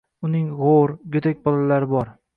Uning g’or, go’dak bolalari bor.